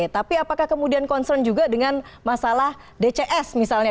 tapi apakah kemudian concern juga dengan masalah dcs misalnya